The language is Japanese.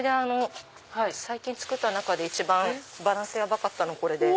最近作った中で一番バランスヤバかったのこれです。